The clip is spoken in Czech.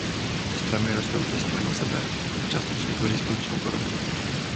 Stromy rostou těsně vedle sebe a částečně tvoří společnou korunu.